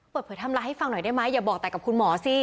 เปิดเผยไทม์ไลน์ให้ฟังหน่อยได้ไหมอย่าบอกแต่กับคุณหมอสิ